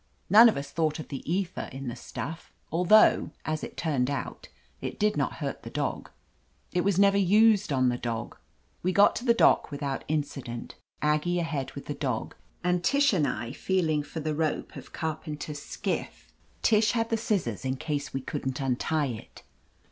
None of us thought of the ether in the stuffy although, as it turned out, it did not hurt the dog. // was never used on the dog. We got to the dock without incident, Aggie ahead with the dog, and Tish and I feeling for the rope of Carpenter's skiff. Tish had the scissors, in case we couldn't untie it.